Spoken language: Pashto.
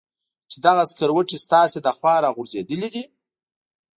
چې دغه سکروټې ستاسې له خوا را غورځېدلې دي.